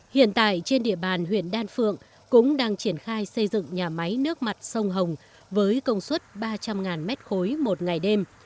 hiện tại trên địa bàn huyện đan phượng cũng đang triển khai xây dựng nhà máy nước mặt sông hồng với công suất ba trăm linh m ba một ngày đêm